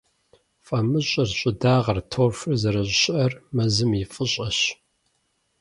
ФӀамыщӀыр, щӀыдагъэр, торфыр зэрыщыӀэр мэзым и фӀыщӀэщ.